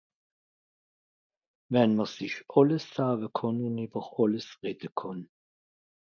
Wenn m'r sich àlles saawe kànn ùn ìwer àlles rede kànn.